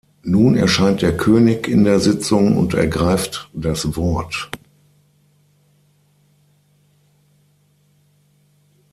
Nun erscheint der König in der Sitzung und ergreift das Wort.